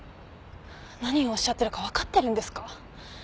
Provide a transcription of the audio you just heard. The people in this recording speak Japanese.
何をおっしゃってるか分かってるんですか？